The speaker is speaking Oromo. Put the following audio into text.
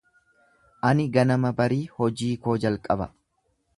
Ani ganama barii hojii koo jalqaba.